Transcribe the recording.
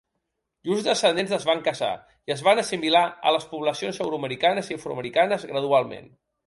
Llurs descendents van casar i assimilats en les poblacions euroamericanes i afroamericanes gradualment.